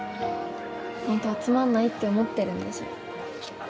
ホントはつまんないって思ってるんでしょ